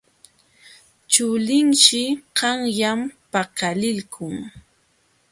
Chulinshi qanyan paqarilqun.